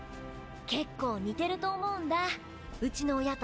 結構似てると思うんだウチの親と。